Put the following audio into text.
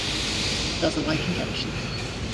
She doesn't like injections.